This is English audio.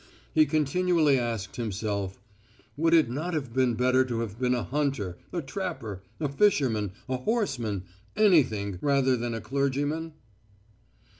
He continually asked himself, "Would it not have been better to have been a hunter, a trapper, a fisherman, a horseman, anything rather than a clergyman?"